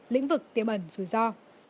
lĩnh vực tiêm ẩn rủi ro